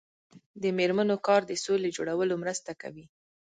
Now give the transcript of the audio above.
د میرمنو کار د سولې جوړولو مرسته کوي.